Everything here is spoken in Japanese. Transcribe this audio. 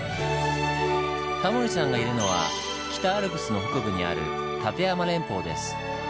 タモリさんがいるのは北アルプスの北部にある立山連峰です。